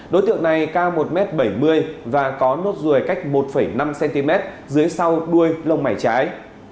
đối tượng này cao một m bảy mươi và có nốt ruồi cách một năm cm dưới sau đuôi lông mảy trái